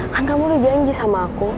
kan kamu udah janji sama aku